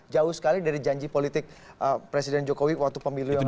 jauh sekali dari janji politik presiden jokowi waktu pemilu yang lalu